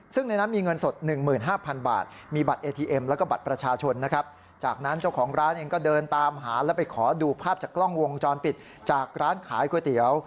ซึ่งในนั้นมีเงินสด๑๕๐๐บาทมีบัตรเอทีเอ็มแล้วก็บัตรประชาชนนะครับจากนั้นเจ้าของร้านเองก็เดินตามหาแล้วไปขอดูภาพจากกล้องวงจรปิดจากร้านขายก๋วยเตี๋ยว